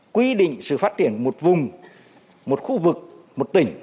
quy định sự phát triển một vùng một khu vực một tỉnh